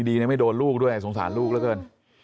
ดียังไม่โดนลูกด้วยสงสารลูกเท่าไร